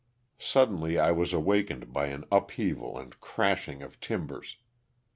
Suddenly I was awakened by an upheaval and crashing of timbers.